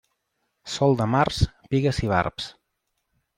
Sol de març, pigues i barbs.